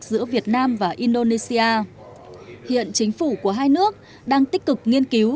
giữa việt nam và indonesia hiện chính phủ của hai nước đang tích cực nghiên cứu